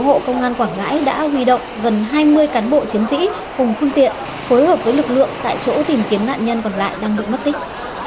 bộ công an quảng ngãi đã huy động gần hai mươi cán bộ chiến sĩ cùng phương tiện phối hợp với lực lượng tại chỗ tìm kiếm nạn nhân còn lại đang được mất tích